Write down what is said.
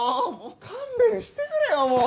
勘弁してくれよもう！